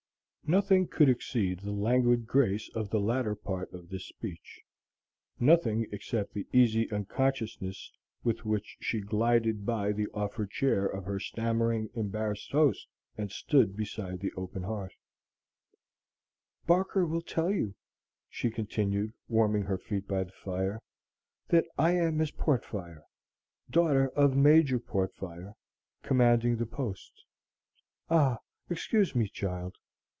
Nothing could exceed the languid grace of the latter part of this speech, nothing except the easy unconsciousness with which she glided by the offered chair of her stammering, embarrassed host and stood beside the open hearth. "Barker will tell you," she continued, warming her feet by the fire, "that I am Miss Portfire, daughter of Major Portfire, commanding the post. Ah, excuse me, child!"